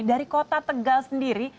dari kota tegal sendiri